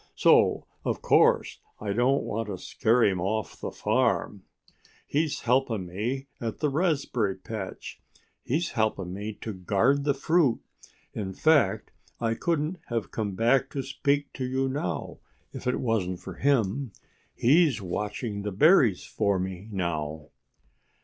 So of course I don't want to scare him off the farm. He's helping me at the raspberry patch. He's helping me to guard the fruit. In fact I couldn't have come back to speak to you now if it wasn't for him. He's watching the berries for me now."